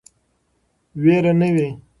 ویر نه وي.